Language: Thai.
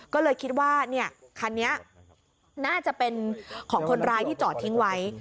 ก็เลยคิดว่าคันนี้น่าจะเป็นของคนร้ายที่จอดทิ้งไว้